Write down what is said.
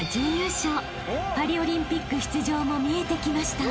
［パリオリンピック出場も見えてきました］